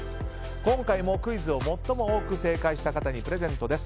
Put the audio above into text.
今回もクイズを最も多く正解した方にプレゼントです。